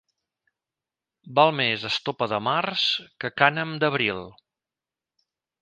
Val més estopa de març que cànem d'abril.